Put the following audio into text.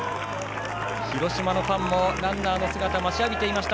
広島のファンも、ランナーの姿を待ちわびていました。